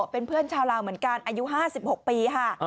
เป็นเพื่อนชาวลาวเหมือนกันอายุ๕๖ปีค่ะ